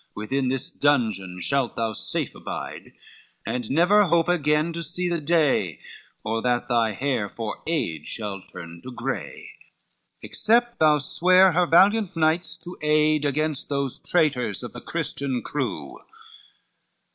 Within this dungeon shalt thou safe abide, And never hope again to see the day, Or that thy hair for age shall turn to gray; XXXIII "Except thou swear her valiant knights to aid Against those traitors of the Christian crew."